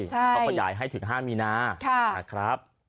ใช่ก็ขยายให้ถึงห้านมีนาค่ะครับ